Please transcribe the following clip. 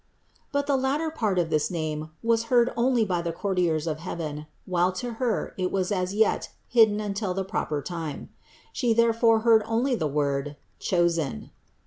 But the latter part of this name was heard only by the courtiers of heaven, while to Her it was as yet hidden until the proper time. She therefore heard only the word "Chosen."